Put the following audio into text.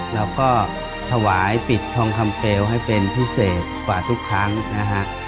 แล้วก็ถวายปิดทองคำเปลวให้เป็นพิเศษกว่าทุกครั้งนะฮะ